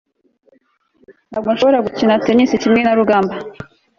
ntabwo nshobora gukina tennis kimwe na rugamba